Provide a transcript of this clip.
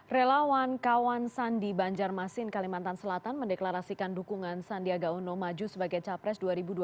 relawan kawan sandi banjarmasin kalimantan selatan mendeklarasikan dukungan sandiaga uno maju sebagai capres dua ribu dua puluh